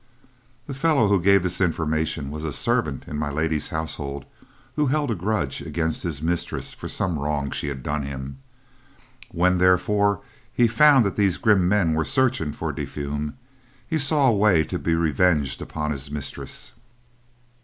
The fellow who gave this information was a servant in my lady's household who held a grudge against his mistress for some wrong she had done him. When, therefore, he found that these grim men were searching for De Fulm, he saw a way to be revenged upon his mistress.